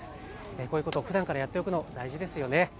こういうことをふだんからやっておくの、大事ですよね。